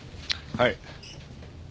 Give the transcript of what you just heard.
はい。